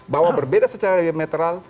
bahwa berbeda secara diametral